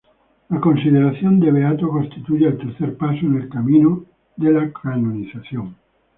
La consideración de beato constituye el tercer paso en el camino de la canonización.